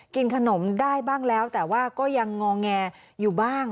กินขนมได้บ้างแล้วแต่ว่าก็ยังงอแงอยู่บ้าง